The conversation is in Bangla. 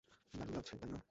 দারুন লাগছে, তাই না?